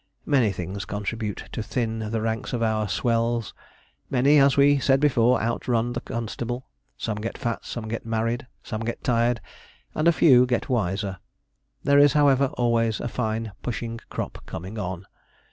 Many things contribute to thin the ranks of our swells. Many, as we said before, outrun the constable. Some get fat, some get married, some get tired, and a few get wiser. There is, however, always a fine pushing crop coming on.